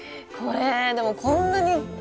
これでもこんなにね